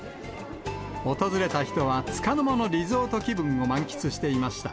訪れた人は、つかの間のリゾート気分を満喫していました。